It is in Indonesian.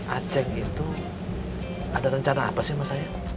aceh itu ada rencana apa sih sama saya